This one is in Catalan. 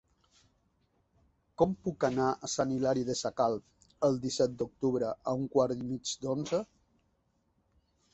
Com puc anar a Sant Hilari Sacalm el disset d'octubre a un quart i mig d'onze?